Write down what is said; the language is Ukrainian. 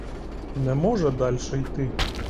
Не може дальше йти.